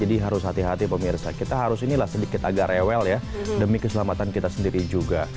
jadi harus hati hati pemirsa kita harus ini sedikit agak rewel ya demi keselamatan kita sendiri juga